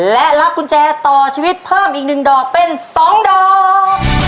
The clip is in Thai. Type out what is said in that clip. และรับกุญแจต่อชีวิตเพิ่มอีก๑ดอกเป็น๒ดอก